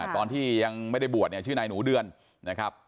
ตอนที่ยังไม่ได้บวชเนี่ยชื่อนายหนูเดือนนะครับ